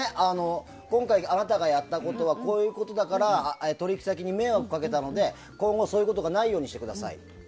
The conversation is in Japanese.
今回、あなたがやったことはこういうことだから取引先に迷惑かけたので今後そういうことがないようにしてください。